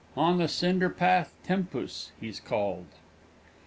On the cinderpath "Tempus" he's called.